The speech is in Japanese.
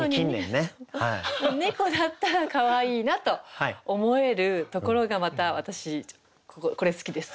なのに猫だったらかわいいなと思えるところがまた私これ好きです。